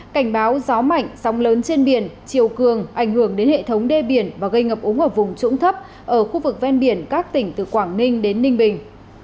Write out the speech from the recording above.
cảnh báo gió mạnh sóng lớn trên biển chiều cường ảnh hưởng đến hệ thống đê biển và gây ngập úng ở vùng trũng thấp ở khu vực ven biển các tỉnh từ quảng ninh đến ninh bình